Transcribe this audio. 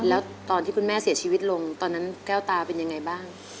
แล้วตอนที่คุณแม่เสียชีวิตลงตอนนั้นแก้วตาเป็นยังไงบ้าง